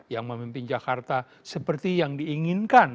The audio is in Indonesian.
yang memimpin jakarta seperti yang diinginkan